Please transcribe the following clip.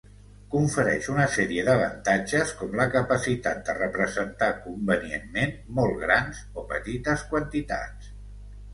Confereix una sèrie d'avantatges, com la capacitat de representar convenientment molt grans o petites quantitats.